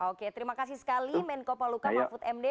oke terima kasih sekali menko paluka mahfud md